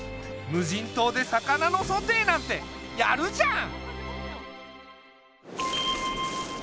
無人島で魚のソテーなんてやるじゃん！